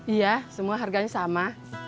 iya semua harganya sama